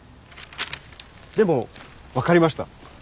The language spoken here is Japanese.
でも分かりました。